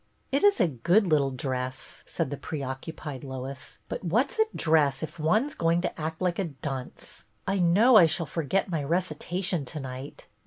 " It is a good little dress," said the preoc cupied Lois, " but what 's a dress if one 's going to act like a dunce ? I know I shall forget my recitation to night."